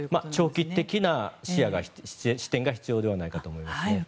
長期的な視点が必要ではないかと思いますね。